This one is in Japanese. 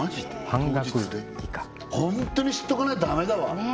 半額以下ホントに知っとかないとダメだわね